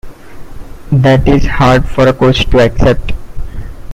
That's hard for a coach to accept.